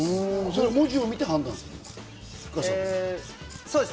それは文字を見て判断している？